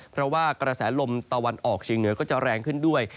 เพราะว่ากระแสลมตะวันออกเชียงเหนือก็จะแรงขึ้นด้วย